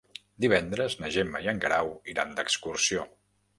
Divendres na Gemma i en Guerau iran d'excursió.